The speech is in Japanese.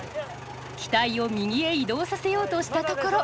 機体を右へ移動させようとしたところ。